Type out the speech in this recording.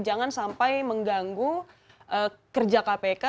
jangan sampai mengganggu kerja kpk